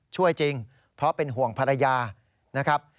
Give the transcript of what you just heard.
ช่วยจริงเพราะเป็นห่วงภรรยานะครับ